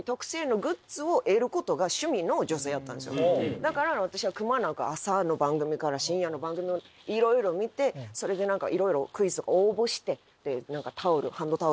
「だから私くまなく朝の番組から深夜の番組いろいろ見てそれで何かいろいろクイズとか応募して」。